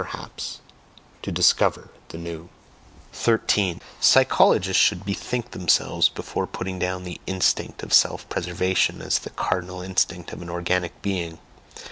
perhaps to DISCOVER the new. 13. Psychologists should bethink themselves before putting down the instinct of self preservation as the cardinal instinct of an organic being.